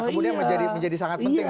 kemudian menjadi sangat penting